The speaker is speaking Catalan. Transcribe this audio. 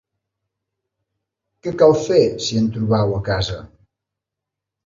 Què cal fer si en trobeu a casa?